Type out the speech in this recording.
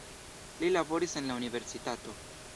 Li laboris en la universitato.